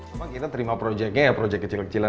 emang kita terima proyeknya ya proyek kecil kecilan